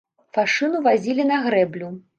Фашыну вазілі на грэблю.